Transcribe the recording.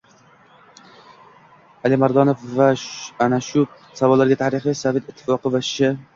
Alimardonov ana shu savollarga tarixiy Sovet ittifoqi va Sh